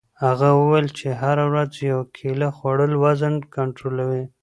هغه وویل چې هره ورځ یوه کیله خوړل وزن کنټرولوي.